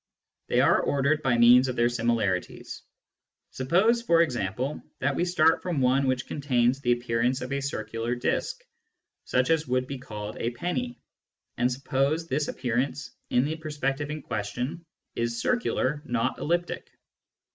They are ordered by means of their similarities. Suppose, for example, that we start from one which contains the appearance of a circular disc, such as would be called a penny, and suppose this appearance, in the perspective in question, is circular, not elliptic.